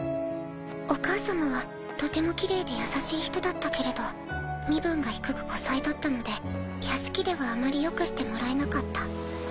お母様はとてもきれいで優しい人だったけれど身分が低く後妻だったので屋敷ではあまりよくしてもらえなかった。